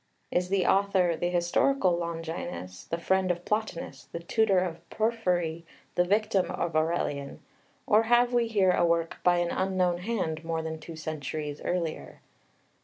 Is the author the historical Longinus the friend of Plotinus, the tutor of Porphyry, the victim of Aurelian, or have we here a work by an unknown hand more than two centuries earlier?